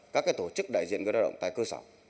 các tổ chức đại diện người lao động tại cơ sở